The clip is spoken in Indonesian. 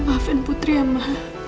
maafin putri ya mama